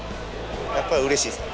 やっぱりうれしいですね。